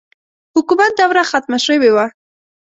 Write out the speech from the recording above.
حکومت دوره ختمه شوې وه.